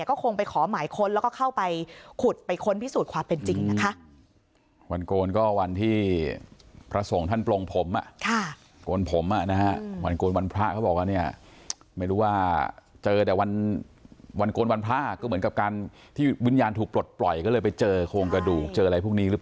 ก็คงไปขอหมายค้นแล้วก็เข้าไปขุด